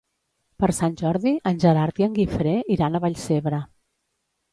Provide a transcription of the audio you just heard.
Per Sant Jordi en Gerard i en Guifré iran a Vallcebre.